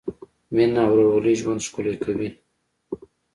مینه او ورورولي ژوند ښکلی کوي.